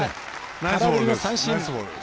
空振りの三振。